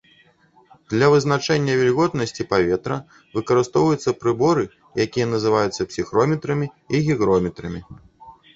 Для вызначэння вільготнасці паветра выкарыстоўваюцца прыборы, якія называюцца псіхрометрамі і гігрометрамі.